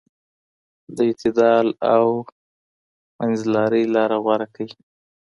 د اعتدال او منځlarۍ لار غوره کړئ.